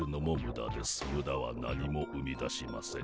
ムダは何も生み出しません。